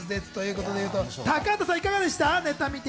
高畑さん、いかがでした？